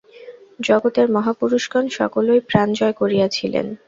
জগতের মহাপুরুষগণ সকলেই প্রাণ জয় করিয়াছিলেন।